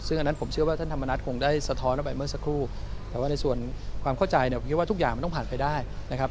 ซึ่งอันนั้นผมเชื่อว่าท่านธรรมนัฐคงได้สะท้อนออกไปเมื่อสักครู่แต่ว่าในส่วนความเข้าใจเนี่ยผมคิดว่าทุกอย่างมันต้องผ่านไปได้นะครับ